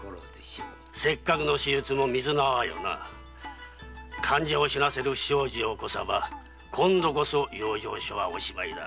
せっかくの手術も水の泡か患者を死なせる不祥事を起こさば今度こそ養生所もおしまいだ。